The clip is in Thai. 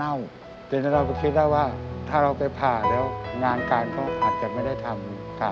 ทีนี้เราก็คิดได้ว่าถ้าเราไปผ่าแล้วงานการก็อาจจะไม่ได้ทำ